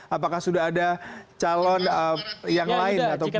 apakah sudah ada calon yang lain ataupun